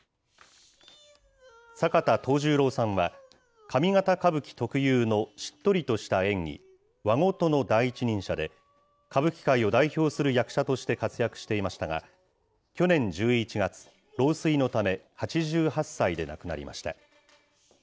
坂田藤十郎さんは、上方歌舞伎特有のしっとりとした演技、和事の第一人者で、歌舞伎界を代表する役者として活躍していましたが、去年１１月、老衰のため、８８歳で亡くなりました。